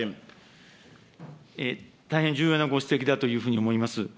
大変重要なご指摘だというふうに思います。